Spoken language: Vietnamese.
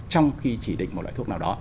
trong khi chỉ định một loại thuốc nào đó